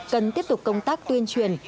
cần tiếp tục công tác tuyên truyền